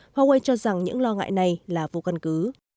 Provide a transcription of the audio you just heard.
huawei cho rằng những lo ngại này là vô căn cứ